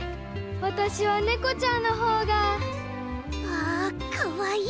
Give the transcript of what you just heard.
わたしはねこちゃんのほうが。ああかわいい。